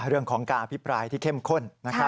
เรื่องของการอภิปรายที่เข้มข้น